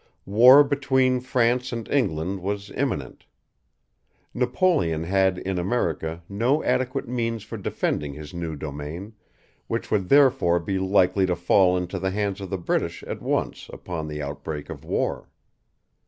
War between France and England was imminent. Napoleon had in America no adequate means for defending his new domain, which would therefore be likely to fall into the hands of the British at once upon the outbreak of war.